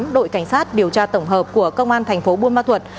đội cảnh sát điều tra tổng hợp của công an thành phố buôn ma thuật